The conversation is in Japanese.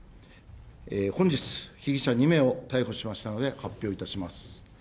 本日、被疑者２名を逮捕しましたので、発表いたします。